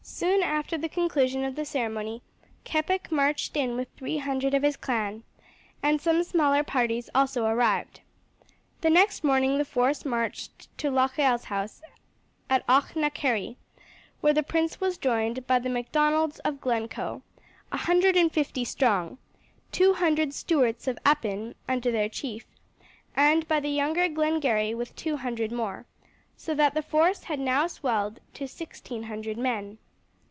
Soon after the conclusion of the ceremony Keppoch marched in with three hundred of his clan, and some smaller parties also arrived. The next morning the force marched to Locheil's house at Auchnacarrie, where the prince was joined by the Macdonalds of Glencoe, a hundred and fifty strong, two hundred Stuarts of Appin under their chief, and by the younger Glengarry with two hundred more, so that the force had now swelled to sixteen hundred men.